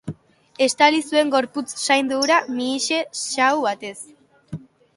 Estali zuen gorputz saindu hura mihise xahu batez.